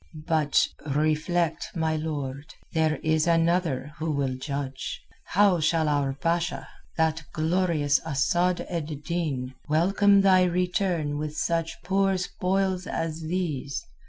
"But reflect, my lord: there is another who will judge. How shall our Basha, the glorious Asad ed Din, welcome thy return with such poor spoils as these?